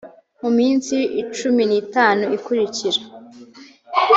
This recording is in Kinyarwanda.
mu minsi cumi n’itanu ikurikira